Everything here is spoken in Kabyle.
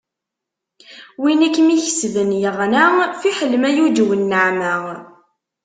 Win i kem-ikesben yeɣna, fiḥel ma yuǧew nneɛma.